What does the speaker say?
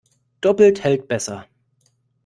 Doppelt hält besser.